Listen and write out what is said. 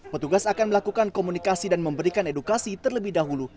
petugas akan melakukan komunikasi dan memberikan edukasi terlebih dahulu